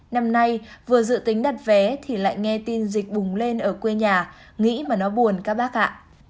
năm nay vừa dự tính đặt vé thì lại nghe tin dịch bùng lên ở quê nhà nghĩ mà nó buồn các bác ạ